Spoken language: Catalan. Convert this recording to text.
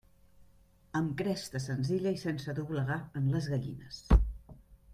Amb cresta senzilla i sense doblegar en les gallines.